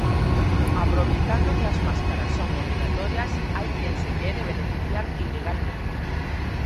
Aproveitando que as máscaras son obrigatorias hai quen se quere beneficiar ilegalmente.